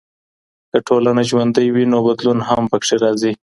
که ټولنه ژوندۍ وي نو بدلون هم په کي راځي.